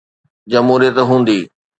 جمهوريت هوندي.